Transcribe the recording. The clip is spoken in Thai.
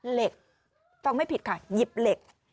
เหล็กฟังไม่ผิดค่ะหยิบเหล็ก